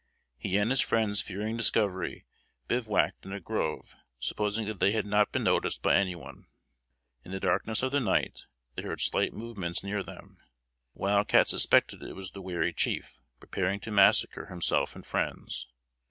He and his friends fearing discovery, bivouacked in a grove, supposing they had not been noticed by any one. In the darkness of the night, they heard slight movements near them. Wild Cat suspected it was the wary chief, preparing to massacre himself and friends.